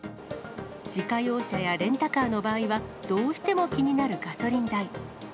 自家用車やレンタカーの場合は、どうしても気になるガソリン代。